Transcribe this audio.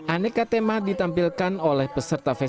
aneka tema ditampilkan oleh peserta festival